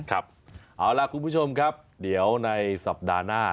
ครับเอาล่ะคุณผู้ชมครับเดี๋ยวในสัปดาห์หน้า